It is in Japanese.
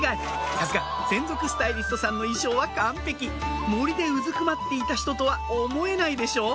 さすが専属スタイリストさんの衣装は完璧森でうずくまっていた人とは思えないでしょ？